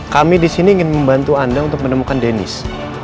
kami disini ingin membantu anda untuk menemukan dennis